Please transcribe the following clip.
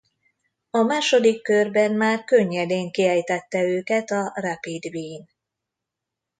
A második körben már könnyedén kiejtette őket a Rapid Wien.